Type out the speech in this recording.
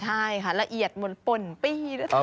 ใช่ค่ะละเอียดมนต์ปล่นปีน่ะ